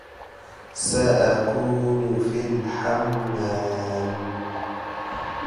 سأكون في الحمام.